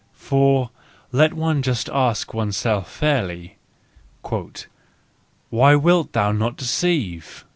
For, let one just ask oneself fairly: " Why wilt thou not deceive?"